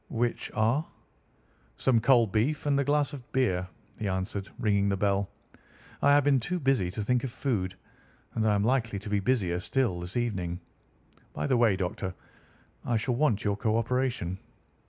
"Which are?" "Some cold beef and a glass of beer," he answered, ringing the bell. "I have been too busy to think of food, and I am likely to be busier still this evening. By the way, Doctor, I shall want your co operation."